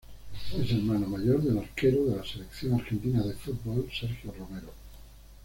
Es hermano mayor del arquero de la Selección Argentina de Fútbol, Sergio Romero.